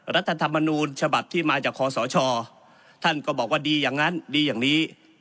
รัฐธรรมนูญฉบับที่มาจากคอสชท่านก็บอกว่าดีอย่างนั้นดีอย่างนี้